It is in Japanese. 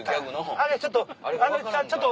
あれちょっと！